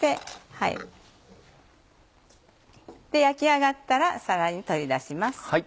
焼き上がったらさらに取り出します。